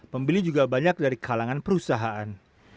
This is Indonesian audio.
pembeli juga banyak dari kalangan perusahaan